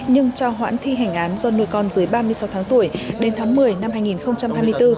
nhưng cho hoãn thi hành án do nuôi con dưới ba mươi sáu tháng tuổi đến tháng một mươi năm hai nghìn hai mươi bốn